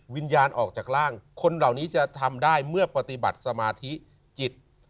วิญญาณออกจากร่างคนเหล่านี้จะทำได้เมื่อปฏิบัติสมาธิจิต